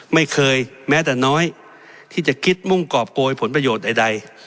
ไม่เคยแม้แต่น้อยที่จะคิดมุ่งกรอบโกยผลประโยชน์ใด